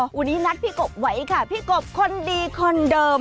วันนี้นัดพี่กบไว้ค่ะพี่กบคนดีคนเดิม